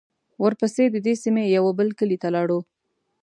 ورپسې د دې سیمې یوه بل کلي ته لاړو.